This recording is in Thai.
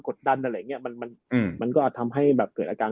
ดันอะไรอย่างเงี้ยมันมันก็ทำให้แบบเกิดอาการ